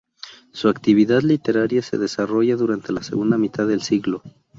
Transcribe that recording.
Su actividad literaria se desarrolla durante la segunda mitad del siglo.